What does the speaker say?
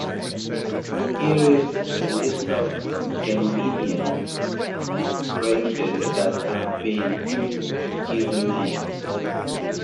Here is a list of Ganymedean craters that have been given names.